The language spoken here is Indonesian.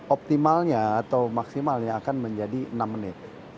optimalnya atau maksimalnya akan menjadi enam menit